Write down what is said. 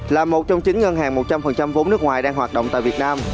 là một trong chín ngân hàng một trăm linh vốn nước ngoài đang hoạt động tại việt nam